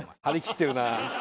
張り切ってるな。